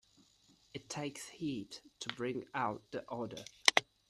It takes heat to bring out the odor.